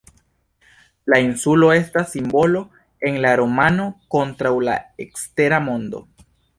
La insulo estas simbolo en la romano kontraŭ la ekstera mondo.